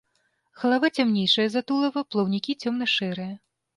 Галава цямнейшая за тулава, плаўнікі цёмна-шэрыя.